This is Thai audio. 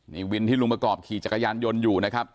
นี่วินที่ลุงประกอบขี่จักรยานยนต์อยู่นะครับ